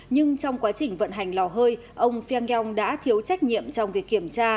nhưng trong quá trình vận hành lò hơi ông feng yong đã thiếu trách nhiệm trong việc kiểm tra